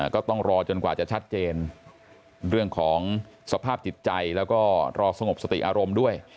ก็ต้องรอจนกว่าจะชัดเจนเรื่องของสภาพจิตใจแล้วก็รอสงบสติอารมณ์ด้วย